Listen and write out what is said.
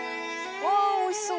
うわおいしそう。